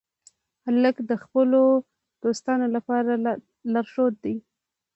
هلک د خپلو دوستانو لپاره لارښود دی.